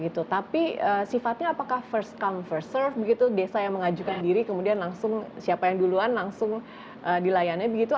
tapi sifatnya apakah first com first serve begitu desa yang mengajukan diri kemudian langsung siapa yang duluan langsung dilayani begitu